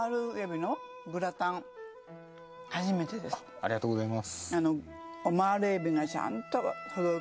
ありがとうございます。